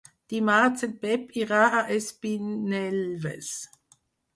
Dimarts en Pep irà a Espinelves.